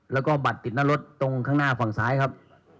แล้วก็บัตรติดหน้ารถตรงข้างหน้าฝั่งซ้ายครับ